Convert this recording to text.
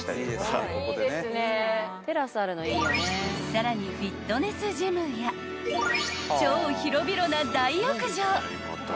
［さらにフィットネスジムや超広々な大浴場］